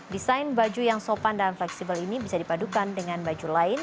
desain baju yang sopan dan fleksibel ini bisa dipadukan dengan baju lain